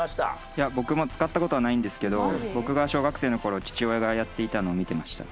いや僕も使った事はないんですけど僕が小学生の頃父親がやっていたのを見てました。